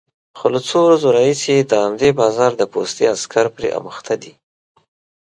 خو له څو ورځو راهيسې د همدې بازار د پوستې عسکر پرې اموخته دي،